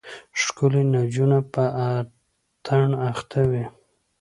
ښکلې نجونه په اتڼ اخته وې.